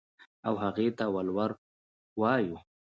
او هغې ته ولور وايو.